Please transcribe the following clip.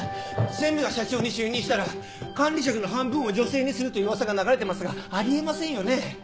専務が社長に就任したら管理職の半分を女性にするというウワサが流れてますがあり得ませんよね？